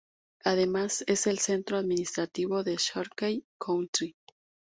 Además, es el centro administrativo de Sharkey County.